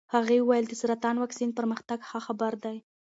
هغې وویل د سرطان واکسین پرمختګ ښه خبر دی.